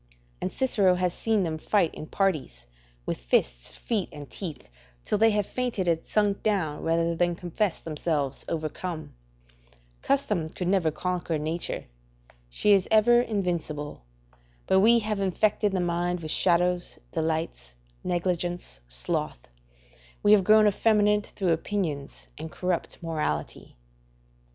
And Cicero has seen them fight in parties, with fists, feet, and teeth, till they have fainted and sunk down, rather than confess themselves overcome: ["Custom could never conquer nature; she is ever invincible; but we have infected the mind with shadows, delights, negligence, sloth; we have grown effeminate through opinions and corrupt morality."